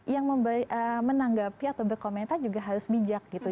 yang menanggapi atau berkomentar juga harus bijak gitu